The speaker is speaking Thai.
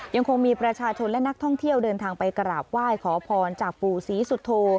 ยังคงมีประชาชนและนักท่องเที่ยวเดินทางไปกราบไหว้ขอพรจากปู่ศรีสุโธ